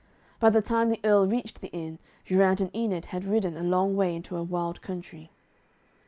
By the time the Earl reached the inn Geraint and Enid had ridden a long way into a wild country.